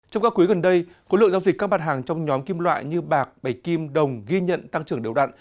trong các quý gần đây khối lượng giao dịch các mặt hàng trong nhóm kim loại như bạc bày kim đồng ghi nhận tăng trưởng đều đặn